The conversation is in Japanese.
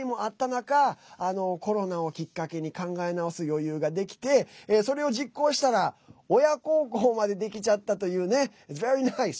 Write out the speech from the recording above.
中コロナをきっかけに考え直す余裕ができてそれを実行したら親孝行までできちゃったというね。